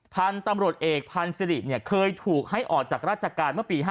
พันธุ์ตำรวจเอกพันธ์สิริเคยถูกให้ออกจากราชการเมื่อปี๕๗